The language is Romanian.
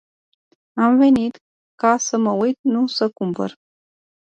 Am venit ca să mă uit, nu să cumpăr.